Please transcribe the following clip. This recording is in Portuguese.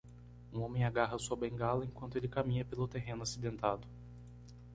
Um homem agarra sua bengala enquanto ele caminha pelo terreno acidentado.